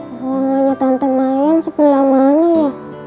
awangannya tantem ayan sebelah mana ya